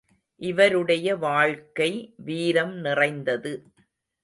இவருடைய வாழ்க்கை வீரம் நிறைந்தது.